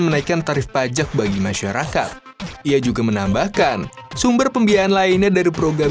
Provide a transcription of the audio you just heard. menaikkan tarif pajak bagi masyarakat ia juga menambahkan sumber pembiayaan lainnya dari program